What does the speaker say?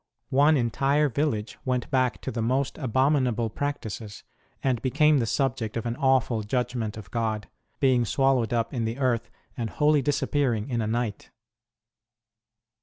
One entire village went back to the most abomin able practices, and became the subject of an awful judgment of God, being swallowed up in the earth, and wholly disappearing in a night.